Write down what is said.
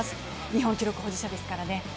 日本記録保持者ですからね。